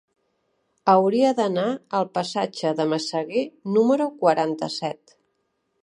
Hauria d'anar al passatge de Massaguer número quaranta-set.